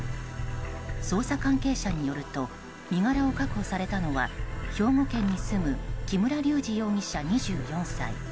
捜査関係者によると身柄を確保されたのは兵庫県に住む木村隆二容疑者、２４歳。